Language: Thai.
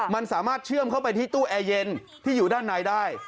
มันสามารถเชื่อมเข้าไปที่ตู้แอร์เย็นที่อยู่ด้านในได้